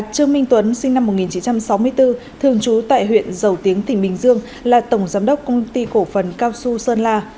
trương minh tuấn sinh năm một nghìn chín trăm sáu mươi bốn thường trú tại huyện dầu tiếng tỉnh bình dương là tổng giám đốc công ty cổ phần cao xu sơn la